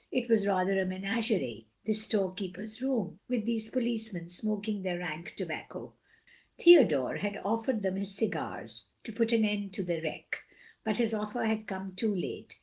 It was rather a menagerie, this storekeeper's room, with these policemen smoking their rank tobacco. Theodore had offered them his cigars, to put an end to the reek, but his offer had come too late.